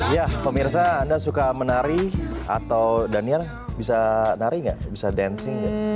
ya pemirsa anda suka menari atau daniel bisa nari nggak bisa dancing